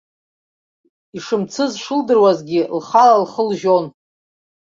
Ишымцыз шылдыруазгьы, лхала лхы лжьон.